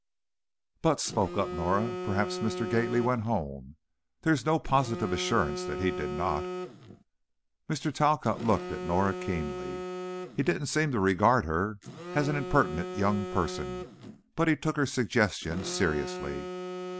"But," spoke up Norah, "perhaps Mr. Gately went home. There is no positive assurance that he did not." Mr. Talcott looked at Norah keenly. He didn't seem to regard her as an impertinent young person, but he took her suggestion seriously.